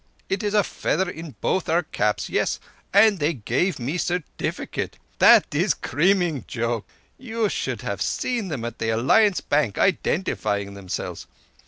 It is feather in both our caps! Yess, and they gave me a certificate. That is creaming joke. You should have seen them at the Alliance Bank identifying themselves!